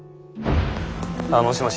あもしもし。